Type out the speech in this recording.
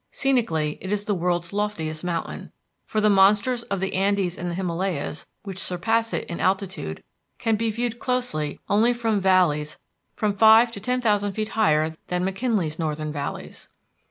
Scenically, it is the world's loftiest mountain, for the monsters of the Andes and the Himalayas which surpass it in altitude can be viewed closely only from valleys from five to ten thousand feet higher than McKinley's northern valleys.